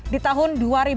di tahun dua ribu enam